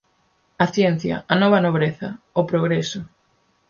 A ciencia, a nova nobreza! O progreso.